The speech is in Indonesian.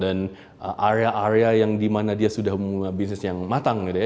dan area area yang dimana dia sudah bisnis yang matang gitu ya